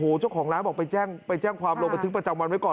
ไปแจ้งความลงไปซึ่งประจำวันไม่ก่อนเขาไปแจ้งความลงไปซื้งประจำวันไม่ก่อน